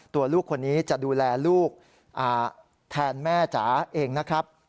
ลูกคนนี้จะดูแลลูกแทนแม่จ๋าเองนะครับ